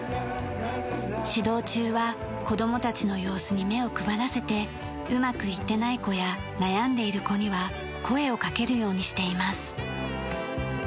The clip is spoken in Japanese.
指導中は子どもたちの様子に目を配らせてうまくいってない子や悩んでいる子には声をかけるようにしています。